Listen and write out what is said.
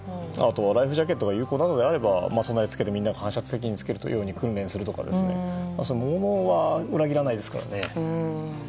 ライフジャケットが有効であれば備え付けてみんなで反射的に着けるよう訓練するとか物は裏切らないですからね。